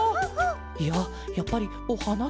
いややっぱりおはなケロかな？